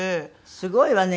すごいわね。